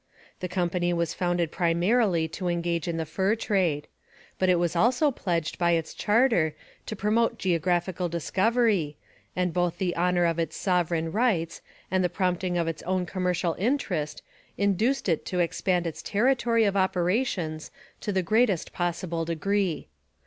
The company was founded primarily to engage in the fur trade. But it was also pledged by its charter to promote geographical discovery, and both the honour of its sovereign rights and the promptings of its own commercial interest induced it to expand its territory of operations to the greatest possible degree.